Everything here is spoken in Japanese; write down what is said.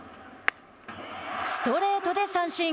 ストレートで三振。